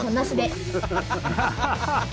ハハハハ！